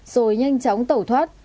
rồi nhanh chóng tẩu thoát